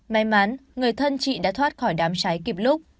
may mắn người thân chị đã thoát khỏi đám cháy kịp lúc